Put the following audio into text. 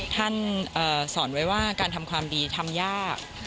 ท่านสอนไว้ว่าการทำความดีทำยาก